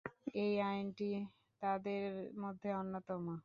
এই আইনটি তাদের মধ্যে অন্যতম।